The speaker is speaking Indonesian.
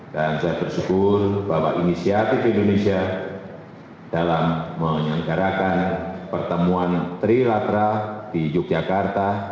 saya bersyukur bahwa inisiatif indonesia dalam menyelenggarakan pertemuan trilateral di yogyakarta